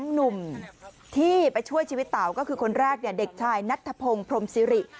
หนุ่มที่ไปช่วยชีวิตเต่าก็คือคนแรกเด็กชายนัทธพงศ์พรมซิริ